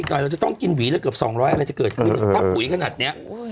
เราจะต้องกินหวีแล้วเกือบ๒๐๐อะไรจะเกิดขึ้นถ้าปุ๋ยขนาดเนี้ย